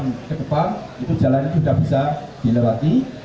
tiga jam ke depan itu jalan ini sudah bisa dilewati